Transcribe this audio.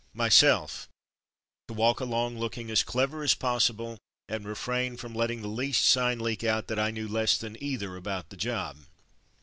Myself: To walk along looking as clever as possible, and refrain from letting the least sign leak out that I knew less than either about the job.